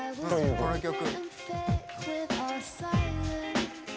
この曲。